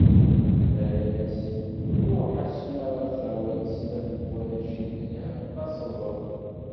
Yerra-as: Ruḥ, ass mi ara d-tawiḍ snat n twaracin n ddheb, taseḍ-d.